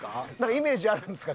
イメージあるんですか？